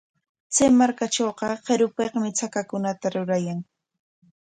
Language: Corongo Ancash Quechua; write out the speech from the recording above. Chay markatrawqa qirupikmi chakakunata rurayan.